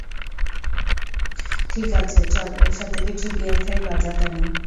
ঠিক আছে, চল একসাথে কিছু বিয়ার খাই, গাঁজা টানি।